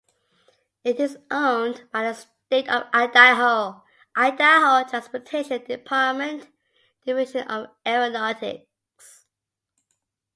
It is owned by the State of Idaho, Idaho Transportation Department, Division of Aeronautics.